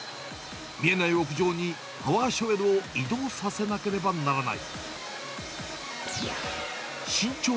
見えない屋上にパワーショベルを移動させなければならない。